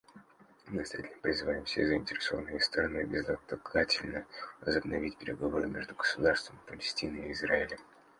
Мы настоятельно призываем все заинтересованные стороны безотлагательно возобновить переговоры между Государством Палестина и Израилем.